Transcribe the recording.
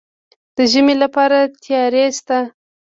د ژمي لپاره تیاری شته؟